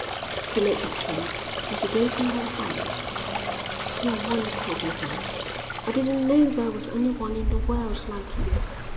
She looked at him and she gave him her hands. "You're wonderful, Bateman. I didn't know there was anyone in the world like you.